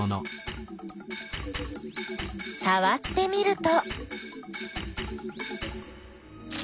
さわってみると。